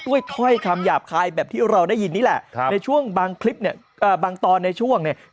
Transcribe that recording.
ถ้อยคำหยาบคายแบบที่เราได้ยินนี่แหละในช่วงบางคลิปเนี่ยบางตอนในช่วงเนี่ย